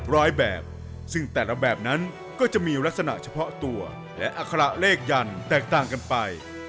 แบบซึ่งแต่ละแบบนั้นก็จะมีลักษณะเฉพาะตัวและอัคระเลขยันแตกต่างกันไป